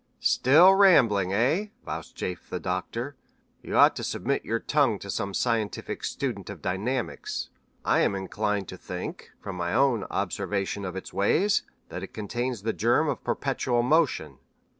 "Still rambling, eh?" vouchsafed the Doctor. "You ought to submit your tongue to some scientific student of dynamics. I am inclined to think, from my own observation of its ways, that it contains the germ of perpetual motion."